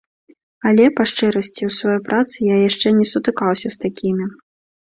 Але, па-шчырасці, у сваёй працы я яшчэ не сутыкаўся з такімі.